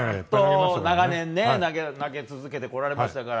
長年、投げ続けてこられましたから。